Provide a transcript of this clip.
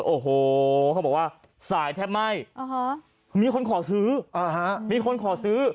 โอ้โหเขาบอกว่าสายแทบไหม้มีคนขอซื้อมีคนขอซื้อ